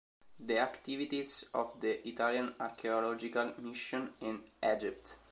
The Activities of the Italian Archaeological Mission in Egypt.